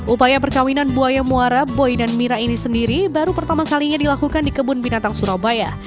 upaya perkawinan buaya muara boy dan mira ini sendiri baru pertama kalinya dilakukan di kebun binatang surabaya